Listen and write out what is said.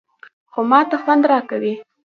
_خو ماته خوند راکوي.